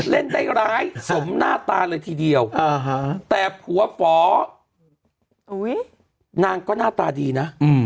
เล่นได้ร้ายสมหน้าตาเลยทีเดียวแต่ผัวฝอนางก็หน้าตาดีนะ